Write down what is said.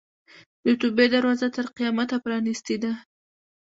د توبې دروازه تر قیامته پرانستې ده.